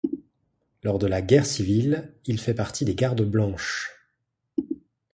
Lors de la Guerre civile il fait partie des Gardes Blanches.